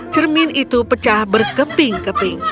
cermin itu pecah berkeping keping